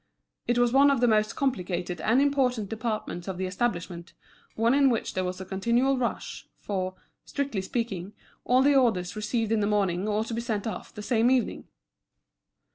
It was one of the most complicated and important departments of the establishment, one in which there was a continual rush, for, strictly speaking, all the orders received in the morning ought to be sent off the same evening.